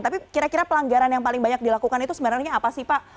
tapi kira kira pelanggaran yang paling banyak dilakukan itu sebenarnya apa sih pak